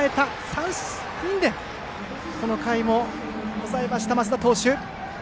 ３人でこの回も抑えました升田投手。